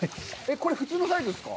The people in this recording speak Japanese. これ普通のサイズですか？